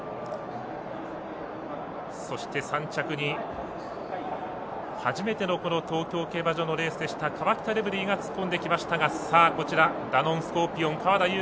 そして、３着に初めての東京競馬場のレースでしたカワキタレブリーが突っ込んできましたがダノンスコーピオン川田将